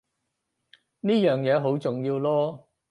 呢樣嘢好重要囉